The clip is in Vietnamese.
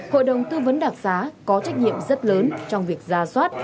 hội đồng tư vấn đặc xá có trách nhiệm rất lớn trong việc ra soát